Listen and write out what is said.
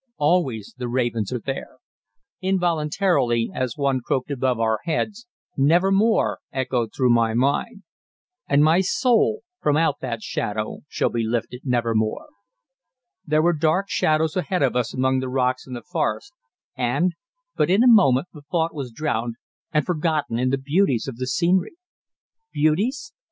Always the ravens are there. Involuntarily, as one croaked above our heads, "Nevermore" echoed through my mind. "And my soul from out that shadow shall be lifted nevermore." There were dark shadows ahead of us among the rocks and the forests, and But in a moment the thought was drowned and forgotten in the beauties of the scenery. Beauties?